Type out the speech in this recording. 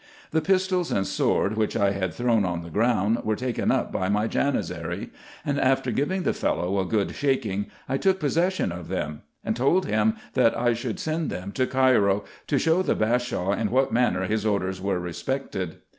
The pistols and sword, which I had thrown on the ground, were taken up by my Janizary; and after giving the fellow a good shaking, I took possession of them, and told him, that I should send them to Cairo, to show the Bashaw in what manner his orders were respected.